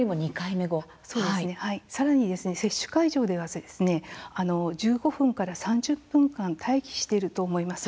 さらに接種会場では１５分から３０分間待機していると思います。